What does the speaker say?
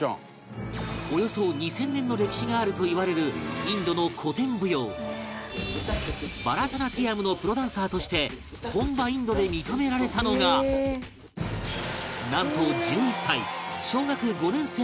およそ２０００年の歴史があるといわれるインドの古典舞踊バラタナティヤムのプロダンサーとして本場インドで認められたのがなんと１１歳小学５年生の時